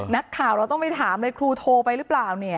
นักข่าวเราต้องไปถามเลยครูโทรไปหรือเปล่า